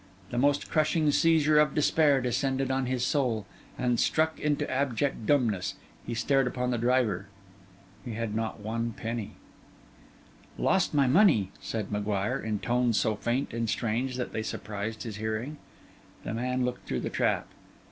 The most crushing seizure of despair descended on his soul; and struck into abject dumbness, he stared upon the driver. He had not one penny. 'Hillo,' said the driver, 'don't seem well.' 'Lost my money,' said M'Guire, in tones so faint and strange that they surprised his hearing. The man looked through the trap.